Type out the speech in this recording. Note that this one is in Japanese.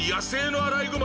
アライグマ！